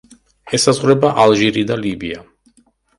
ესაზღვრება ალჟირი და ლიბია.